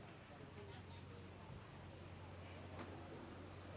สวัสดีครับทุกคน